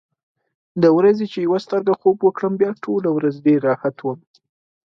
د ورځې چې یوه سترګه خوب وکړم، بیا ټوله ورځ ډېر راحت وم.